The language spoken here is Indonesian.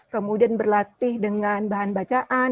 kemudian berlatih dengan bahan bacaan